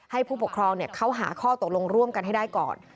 ผู้ปกครองเขาหาข้อตกลงร่วมกันให้ได้ก่อน